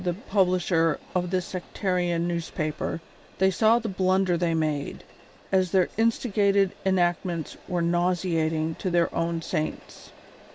e pub lisher of this sectarian newspaper, they saw the blunder they made, as their instigated enactments were nauseating to their own saints.